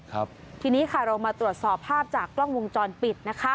ทีนี้ค่ะเรามาตรวจสอบภาพจากกล้องวงจรปิดนะคะ